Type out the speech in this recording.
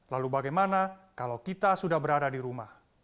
lalu bagaimana kalau kita sudah berada di rumah